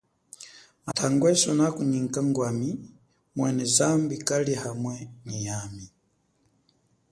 Mathangwa eswe nakunyingika ngwami, mwene zambi kali hamwe nyi yami.